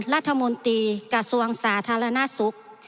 รัฐมนตรีกระทรวงสาธารณสุข